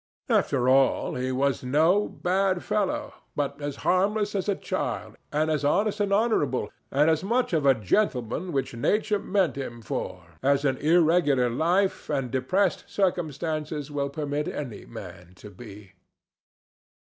After all, he was no bad fellow, but as harmless as a child, and as honest and honorable, and as much of the gentleman which Nature meant him for, as an irregular life and depressed circumstances will permit any man to be.